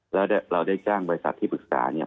แล้วเราได้จ้างบริษัทที่ปรึกษาเนี่ย